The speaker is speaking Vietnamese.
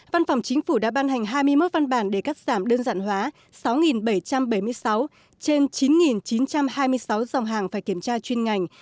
văn phòng chính phủ đã ban hành hai mươi một văn bản để cắt giảm đơn giản hóa sáu bảy trăm bảy mươi sáu trên chín chín trăm hai mươi sáu dòng hàng phải kiểm tra chuyên ngành